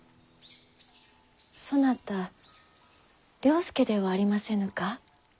そなた了助ではありませぬか？